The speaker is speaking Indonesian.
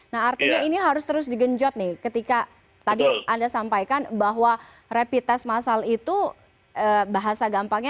nah artinya ini harus terus digenjot nih ketika tadi anda sampaikan bahwa rapid test masal itu bahasa gampangnya